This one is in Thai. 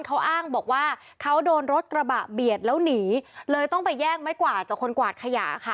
เขาอ้างบอกว่าเขาโดนรถกระบะเบียดแล้วหนีเลยต้องไปแย่งไม้กวาดจากคนกวาดขยะค่ะ